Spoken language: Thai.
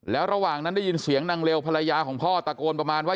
แล้วระหว่างนั้นได้ยินเสียงนางเร็วภรรยาของพ่อตะโกนประมาณว่า